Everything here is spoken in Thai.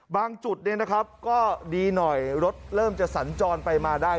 จุดก็ดีหน่อยรถเริ่มจะสัญจรไปมาได้